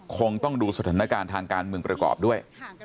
คงต้องดูสถานการณ์ทางการเมืองประกอบด้วย